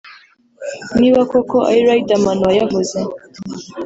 niba koko ari Riderman wayavuze